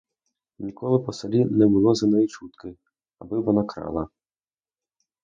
Ніколи по селі не було за неї чутки, аби вона крала.